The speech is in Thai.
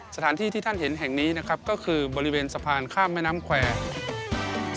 สถานที่ที่ท่านเห็นแห่งนี้นะครับก็คือบริเวณสะพานข้ามแม่น้ำแควร์